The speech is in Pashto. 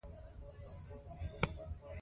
په اسلامي دولت کښي د خلکو حقونه خوندي ساتل کیږي.